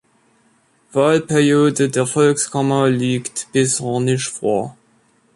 Wahlperiode der Volkskammer liegt bisher nicht vor.